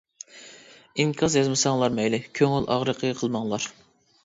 ئىنكاس يازمىساڭلار مەيلى، كۆڭۈل ئاغرىقى قىلماڭلار.